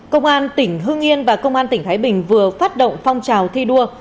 công an tỉnh hương yên và công an tỉnh thái bình vừa phát động phong trào thi đua